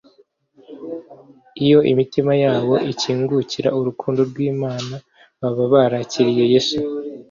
Iyo imitima yabo ikingukira urukundo rw'Imana, baba barakiriye Yesu.